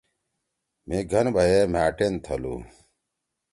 مھی گھن بھئی ئے مھأ ٹین تھلُو۔